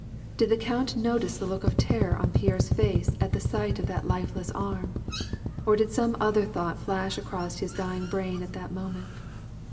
Did the count notice the look of terror in Pierre's face at the sight of that lifeless arm? or did some other thought flash across his dying brain at that moment?